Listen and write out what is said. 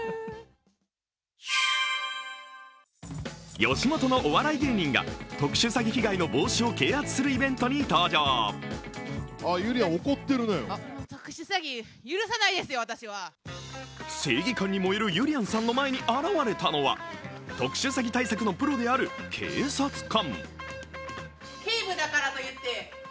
よしもとのお笑い芸人が特殊詐欺被害の防止を啓発するイベントに登場正義感に燃えるゆりやんさんの前に現れたのは特殊詐欺対策のプロである警察官。